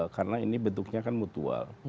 karena ini bentuknya kan mutual